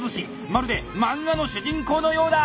まるで漫画の主人公のようだ！